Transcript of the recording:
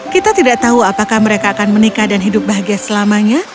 kita tidak tahu apakah mereka akan menikah dan hidup bahagia selamanya